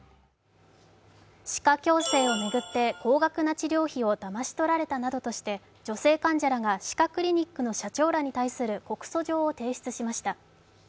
歯科矯正を巡って高額な治療費をだまし取られたなどとして、女性患者らが歯科クリニックの社長らに対する告訴状を提出しました。